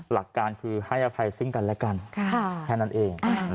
หลักการคือให้อภัยซึ่งกันและกันแค่นั้นเอง